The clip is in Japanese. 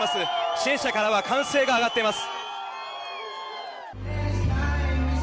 支援者からは歓声が上がっています。